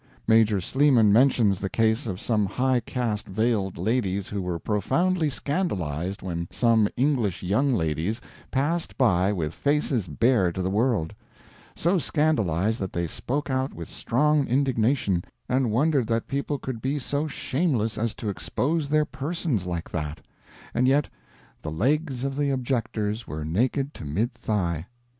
Major Sleeman mentions the case of some high caste veiled ladies who were profoundly scandalized when some English young ladies passed by with faces bare to the world; so scandalized that they spoke out with strong indignation and wondered that people could be so shameless as to expose their persons like that. And yet "the legs of the objectors were naked to mid thigh."